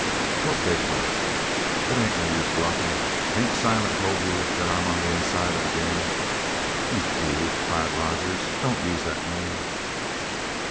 "What big bust?" "It ain't no use bluffin'. Ain't Silent told you that I'm on the inside of the game?" "You fool!" cried Rogers. "Don't use that name!"